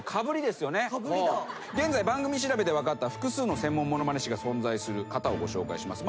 現在番組調べで分かった複数の専門ものまね師が存在する方をご紹介します。